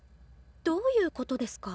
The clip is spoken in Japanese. どういうことですか？